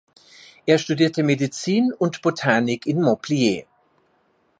Er studierte Medizin und Botanik in Montpellier.